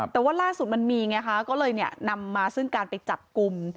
แต่ว่าล่าสุดมันมีไงคะก็เลยนำมาซึ่งการไปจับกลุ่ม